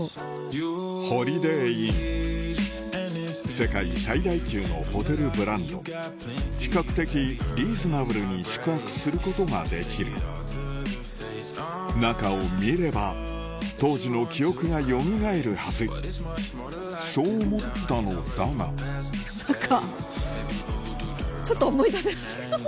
世界最大級のホテルブランド比較的リーズナブルに宿泊することができる中を見ればそう思ったのだが何か。